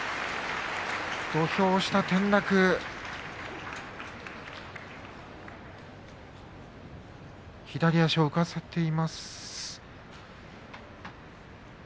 土俵下転落一山本、左足を浮かせています。